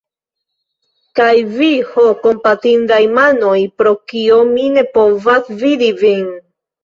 Kaj vi, ho, kompatindaj manoj, pro kio mi ne povas vidi vin?